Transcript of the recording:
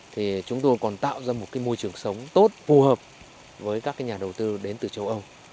thì chúng tôi còn tạo ra một môi trường sống tốt phù hợp với các nhà đầu tư đến từ châu âu